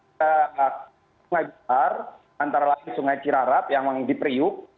sungai jepar antara lain sungai cirarat yang di priuk